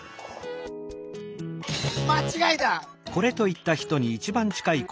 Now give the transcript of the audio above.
「まちがいだ！」。